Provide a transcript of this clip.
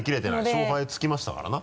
勝敗つきましたからな。